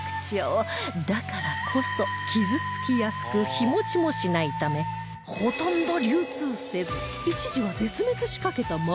だからこそ傷つきやすく日持ちもしないためほとんど流通せず一時は